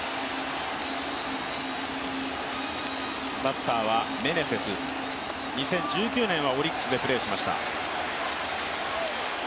バッターはメネセス、２０１９年はオリックスでプレーしました。